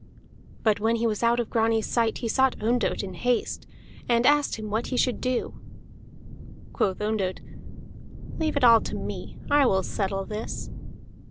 But when he was out of Grani's sight, he sought Ondott in haste, and asked him what he should do. Quoth Ondott: "Leave all to me. I will settle this."